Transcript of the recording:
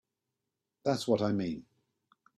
That's what I mean.